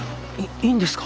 いいいんですか。